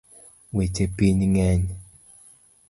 Weche piny ng’eny